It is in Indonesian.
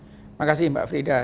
terima kasih mbak frida